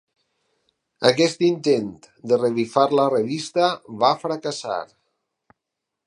Aquest intent de revifar la revista va fracassar.